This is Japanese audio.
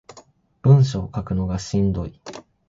文章書くのしんどい